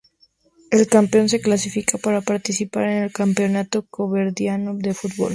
El campeón se clasifica para participar en el campeonato caboverdiano de fútbol.